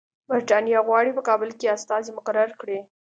برټانیه غواړي په کابل استازی مقرر کړي.